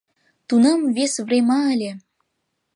Тунам вес врема ыле.